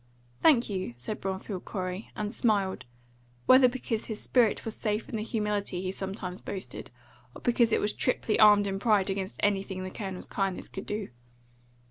"Thank you," said Bromfield Corey, and smiled whether because his spirit was safe in the humility he sometimes boasted, or because it was triply armed in pride against anything the Colonel's kindness could do.